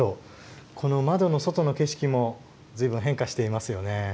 この窓の外の景色もずいぶん、変化していますよね。